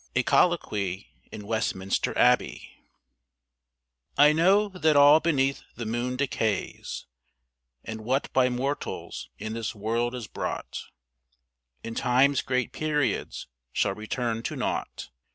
A COLLOQUY IN WESTMINSTER ABBEY. I know that all beneath the moon decays, And what by mortals in this world is brought, In time's great periods shall return to nought.